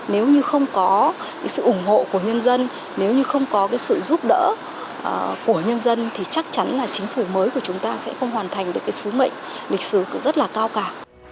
nếu như không có sự ủng hộ của nhân dân nếu như không có cái sự giúp đỡ của nhân dân thì chắc chắn là chính phủ mới của chúng ta sẽ không hoàn thành được cái sứ mệnh lịch sử rất là cao cả